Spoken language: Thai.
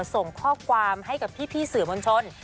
ส่งข้อความให้กับพี่สื่อมวลชน